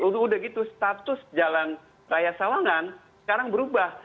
udah gitu status jalan raya sawangan sekarang berubah